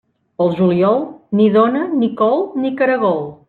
Pel juliol, ni dona, ni col, ni caragol.